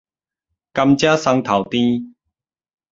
甘蔗雙頭甜